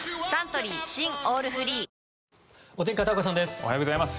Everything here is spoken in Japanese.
おはようございます。